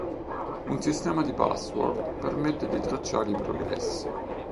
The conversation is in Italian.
Un sistema di password permette di tracciare i progressi.